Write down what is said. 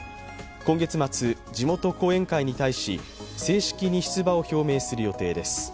今月末、地元後援会に対し正式に出馬を表明する予定です。